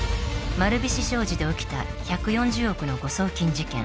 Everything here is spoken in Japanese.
丸菱商事で起きた１４０億の誤送金事件